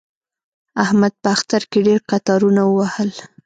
احمد په اختر کې ډېر قطارونه ووهل.